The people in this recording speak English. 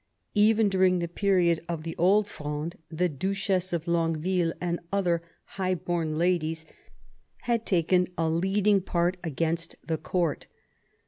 Even during the period of the Old Fronde the Duchess of Longueville and other high bom ladies had taken a leading part against the court.